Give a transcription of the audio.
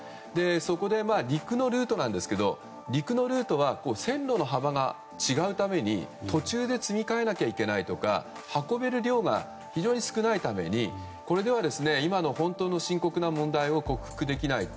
そこで、陸のルートなんですけど陸のルートは線路の幅が違うために、途中で積み替えなきゃいけないとか運べる量が非常に少ないためにこれでは今の深刻な問題を克服できない。